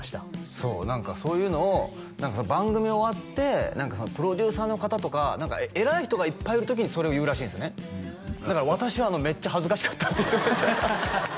そう何かそういうのを番組終わってプロデューサーの方とか偉い人がいっぱいいる時にそれを言うらしいんですよねだから私はメッチャ恥ずかしかったって言ってました